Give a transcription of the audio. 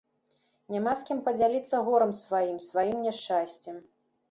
Няма з кім падзяліцца горам сваім, сваім няшчасцем.